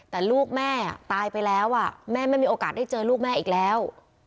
แต่ลูกแม่ตายไปแล้วแม่ไม่มีโอกาสได้เจอลูกแม่อีกแล้ว